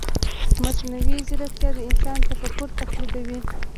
مصنوعي ځیرکتیا د انسان تفکر تقلیدوي.